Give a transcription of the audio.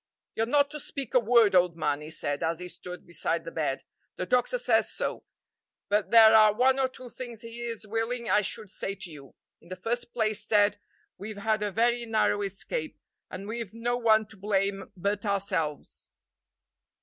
"You're not to speak a word, old man," he said, as he stood beside the bed; "the doctor says so; but there are one or two things he is willing I should say to you. In the first place, Ted, we've had a very narrow escape, and we've no one to blame but ourselves.